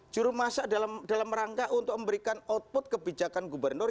jurumasa dalam rangka untuk memberikan output kebijakan gubernur